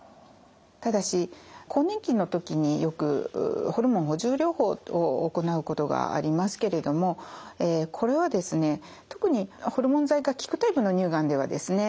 ただし更年期の時によくホルモン補充療法を行うことがありますけれどもこれはですね特にホルモン剤が効くタイプの乳がんではですね